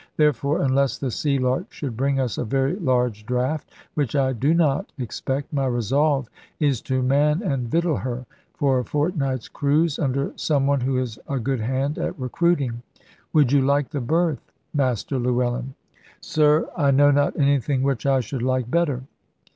Therefore, unless the Sealark should bring us a very large draft, which I do not expect, my resolve is to man and victual her, for a fortnight's cruise, under some one who is a good hand at recruiting. Would you like the berth, Master Llewellyn?" "Sir, I know not anything which I should like better."